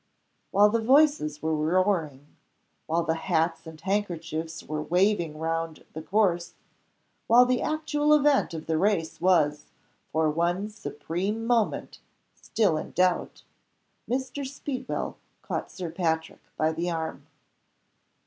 While the voices were roaring; while the hats and handkerchiefs were waving round the course; while the actual event of the race was, for one supreme moment, still in doubt Mr. Speedwell caught Sir Patrick by the arm.